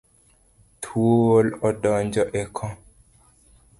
Thuol odonjo e koo